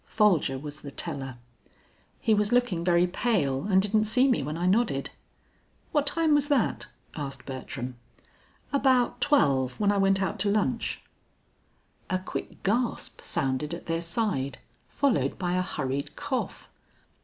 Folger was the teller. "He was looking very pale and didn't see me when I nodded." "What time was that?" asked Bertram. "About twelve; when I went out to lunch." A quick gasp sounded at their side, followed by a hurried cough.